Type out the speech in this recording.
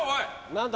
・何だ。